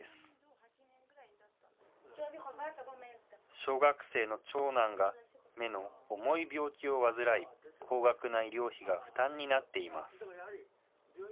小学生の長男が、目の重い病気を患い、高額な医療費が負担になっています。